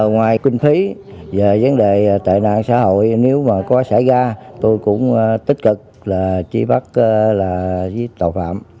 ngoài kinh phí về vấn đề tệ nạn xã hội nếu mà có xảy ra tôi cũng tích cực là truy bắt với tội phạm